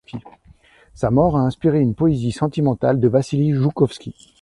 Sa mort a inspiré une poésie sentimentale de Vassili Joukovski.